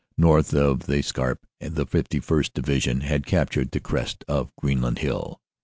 North of the Scarpe the 51st. Division had captured the crest of Green land Hiii.